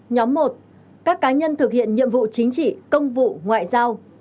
nhóm một các cá nhân thực hiện nhiệm vụ chính trị công vụ ngoại giao